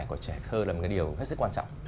của trẻ thơ là một cái điều hết sức quan trọng